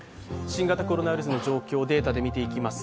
新型コロナウイルスの状況データで見ていきます。